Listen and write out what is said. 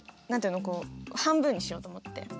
何て言うの半分にしようと思って。